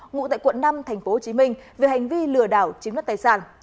ngụ tại quận năm tp hcm về hành vi lừa đảo chiếm đất tài sản